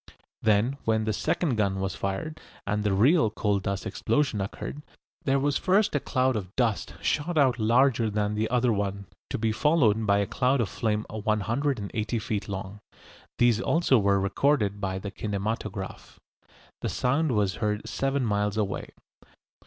Then when the second gun was fired, and the real coal dust explosion occurred, there was first a cloud of dust shot out larger than the other one, to be followed by a cloud of flame 180 feet long. These also were recorded by the kinematograph. The sound was heard seven miles away.